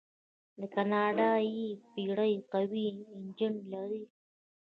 دا کاناډایي بیړۍ قوي انجن لري.